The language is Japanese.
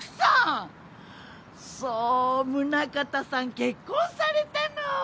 そう宗形さん結婚されたの。